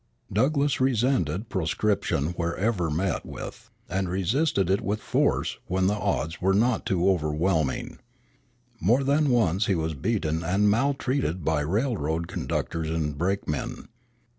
Douglass resented proscription wherever met with, and resisted it with force when the odds were not too overwhelming. More than once he was beaten and maltreated by railroad conductors and brakemen.